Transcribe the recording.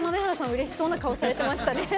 うれしそうな顔されてましたね。